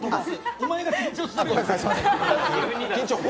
お前が緊張してる。